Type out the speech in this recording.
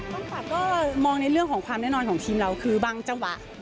ต้องฝากก็มองในเรื่องของความแน่นอนของทีมเราคือบางจังหวะ